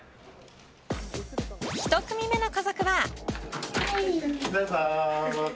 １組目の家族は。